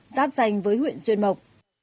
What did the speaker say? giáp danh với huyện xuyên mộc